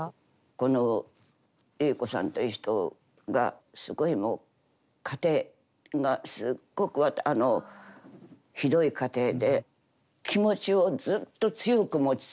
この結子さんという人がすごいもう家庭がすっごくひどい家庭で気持ちをずっと強く持ち続けていないと